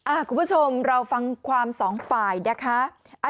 คุณผู้ชมเราฟังความสองฝ่ายนะคะ